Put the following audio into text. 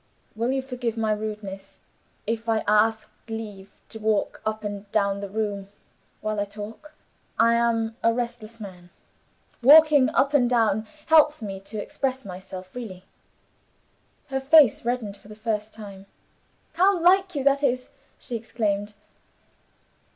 "Will you forgive my rudeness, if I ask leave to walk up and down the room while I talk? I am a restless man. Walking up and down helps me to express myself freely." Her f ace brightened for the first time. "How like You that is!" she exclaimed.